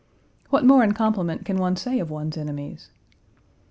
What more in compliment can one say of one's enemies?